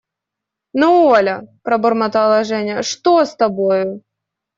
Но, Оля, – пробормотала Женя, – что с тобою?